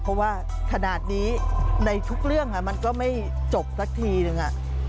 เพราะว่าขนาดนี้ในทุกเรื่องมันก็ไม่จบสักทีนึง